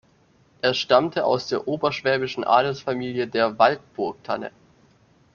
Er stammte aus der oberschwäbischen Adelsfamilie der Waldburg-Tanne.